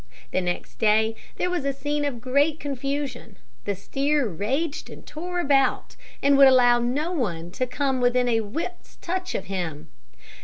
The next day there was a scene of great confusion. The steer raged and tore about, and would allow no one to come within whip touch of him.